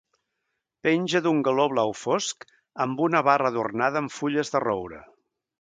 Penja d'un galó blau fosc, amb una barra adornada amb fulles de roure.